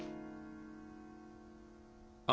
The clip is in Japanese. あ。